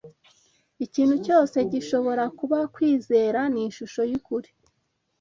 Ikintu cyose gishoboka kuba kwizera ni ishusho yukuri